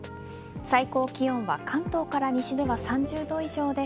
最高気温は関東から西では３０度以上で